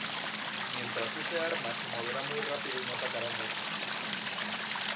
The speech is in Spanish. Mientras use armas se moverá muy rápido y no atacará mucho.